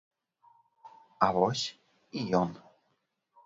А вось і ён!